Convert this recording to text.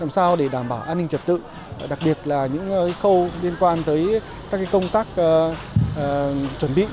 làm sao để đảm bảo an ninh trật tự đặc biệt là những khâu liên quan tới các công tác chuẩn bị